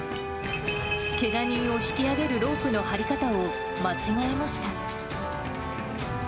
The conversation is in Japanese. けが人を引き上げるロープの張り方を間違えました。